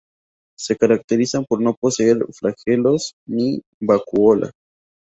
Se caracterizan por no poseer flagelos ni vacuola.